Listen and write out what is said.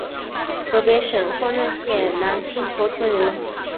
河北省丰润县南青坨村人。